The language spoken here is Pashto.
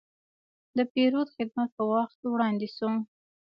د پیرود خدمت په وخت وړاندې شو.